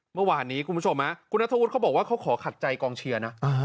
เมื่อวานนี้คุณผู้ชมคุณนัทธวุฒิเขาบอกว่าเขาขอขัดใจกองเชียร์นะ